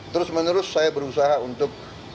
terus menerus saya berusaha untuk